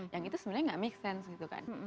yang itu sebenarnya gak make sense gitu kan